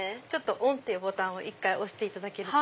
オンっていうボタンを１回押していただけると。